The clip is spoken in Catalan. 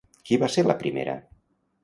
Qui va ser la primera?